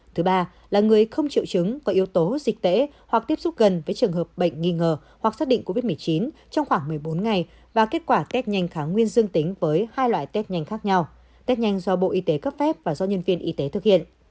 thứ ba là người không triệu chứng có yếu tố dịch tễ hoặc tiếp xúc gần với trường hợp bệnh nghi ngờ hoặc xác định covid một mươi chín trong khoảng một mươi bốn ngày và kết quả test nhanh kháng nguyên dương tính với hai loại test nhanh khác nhau test nhanh do bộ y tế cấp phép và do nhân viên y tế thực hiện